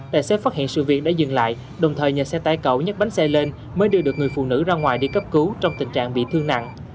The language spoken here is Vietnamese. tài xế phát hiện sự viện đã dừng lại đồng thời nhờ xe tải cẩu nhấc bánh xe lên mới đưa được người phụ nữ ra ngoài đi cấp cứu trong tình trạng bị thương nặng